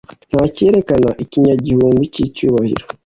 Nta cyerekana ikinyagihumbi cy'icyubahiro.